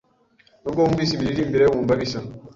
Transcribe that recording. N’ubwo wumvise imiririmbire wumva bisa,